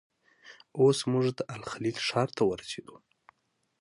اوس موږ د الخلیل ښار ته ورسېدو.